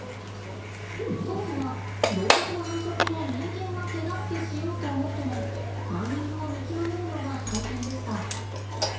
当時は動物の繁殖を人間が手助けしようと思ってもタイミングを見極めるのが大変でした。